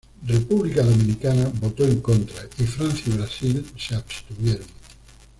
República Dominicana voto en contra y Francia y Brasil se abstuvieron.